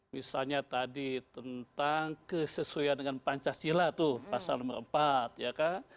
misalnya tadi tentang kesesuaian dengan pancasila tuh pasal nomor empat ya kan